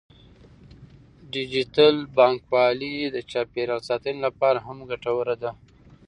ډیجیټل بانکوالي د چاپیریال ساتنې لپاره هم ګټوره ده.